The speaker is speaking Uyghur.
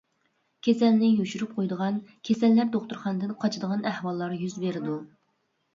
كېسەلنى يوشۇرۇپ قويىدىغان، كېسەللەر دوختۇرخانىدىن قاچىدىغان ئەھۋاللار يۈز بېرىدۇ.